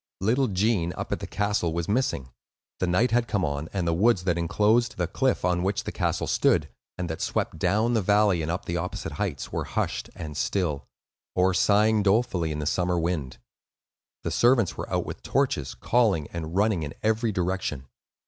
Little Gene, up at the castle, was missing. The night had come on, and the woods that inclosed the cliff on which the castle stood, and that swept down the valley and up the opposite heights, were hushed and still, or sighing dolefully in the summer wind. The servants were out with torches, calling, and running in every direction.